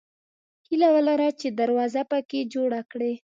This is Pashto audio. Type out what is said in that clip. هیله ولره چې دروازه پکې جوړه کړې.